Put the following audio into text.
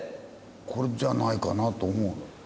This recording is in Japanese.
これじゃないかなと思うね。